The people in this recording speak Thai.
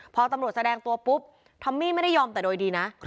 พอตำรวจแสดงตัวปุ๊บทอมมี่ไม่ได้ยอมแต่โดยดีนะ